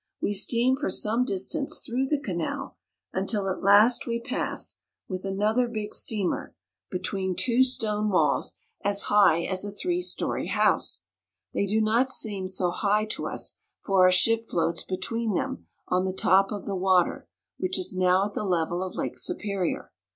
We steam for some distance through the canal, until at last we pass, with another big steamer, between two stone 178 THE GREAT LAKES. walls as high as a three story house. They do not seem so high to us, for our ship floats between them on the top of the water, which is now at the level of Lake Superior.